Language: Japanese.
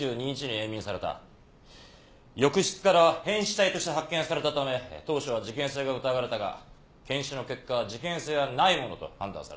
浴室から変死体として発見されたため当初は事件性が疑われたが検視の結果事件性はないものと判断された。